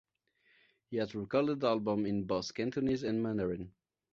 He has recorded albums in both Cantonese and Mandarin.